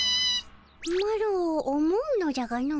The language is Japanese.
マロ思うのじゃがの。